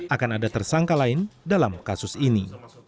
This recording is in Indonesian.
akan ada tersangka lain dalam kasus ini